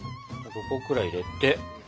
５個くらい入れて。